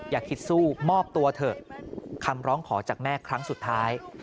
อย่าคิดสู้มอบตัวเถอะคำร้องขอจากแม่ครั้งสุดท้าย